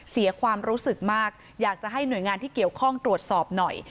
เสียความรู้สึกมากอยากจะให้หน่วยงานที่เกี่ยวข้องตรวจสอบหน่อย